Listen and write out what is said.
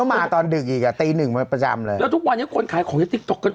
มาตอนดึกอีกอ่ะตีหนึ่งมาประจำเลยแล้วทุกวันนี้คนขายของจะติ๊กต๊กกัน